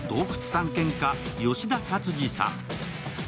探検家・吉田勝次さん。